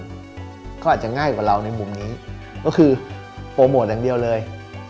เขาอาจจะง่ายกว่าเราในมุมนี้ก็คือโปรโมทอย่างเดียวเลย